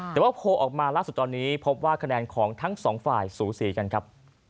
แต่ว่าโพลออกมาล่าสุดตอนนี้พบว่าคะแนนของทั้งสองฝ่ายสูสีกันครับ